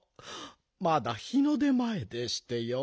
まだ日の出まえでしてよ。